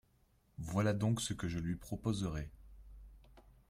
voilà donc ce que je lui proposerais.